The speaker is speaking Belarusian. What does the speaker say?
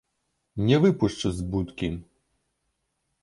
Не выпушчу з будкі.